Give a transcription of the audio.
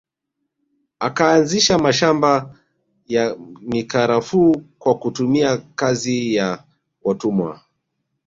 Akaanzisha mashamba ya mikarafuu kwa kutumia kazi ya watumwa